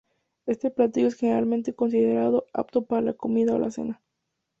Este platillo es generalmente considerado apto para la comida o la cena.